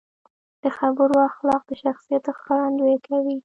د خبرو اخلاق د شخصیت ښکارندويي کوي.